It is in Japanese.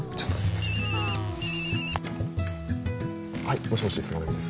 はいもしもし菅波です。